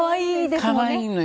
かわいいのよ。